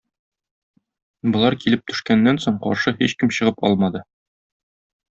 Болар килеп төшкәннән соң, каршы һичкем чыгып алмады.